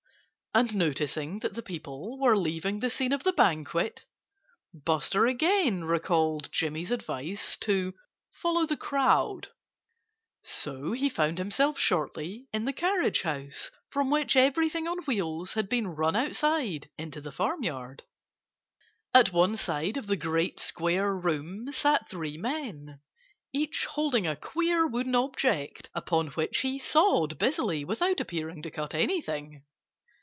And noticing that the people were leaving the scene of the banquet, Buster again recalled Jimmy Rabbit's advice to "follow the crowd." So he found himself shortly in the carriage house, from which everything on wheels had been run outside into the farmyard. At one side of the great square room sat three men, each holding a queer wooden object, upon which he sawed busily without appearing to cut anything.